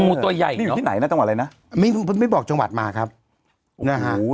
มูตัวใหญ่นี่อยู่ที่ไหนนะตั้งแต่อะไรนะไม่บอกจังหวัดมาครับโอ้โห